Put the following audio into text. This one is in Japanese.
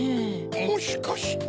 もしかして。